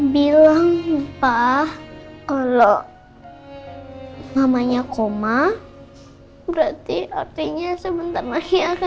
bilang upah kalau mamanya koma berarti artinya sebentar lagi akan